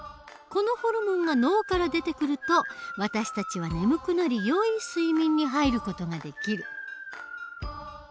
このホルモンが脳から出てくると私たちは眠くなりよい睡眠に入る事ができる。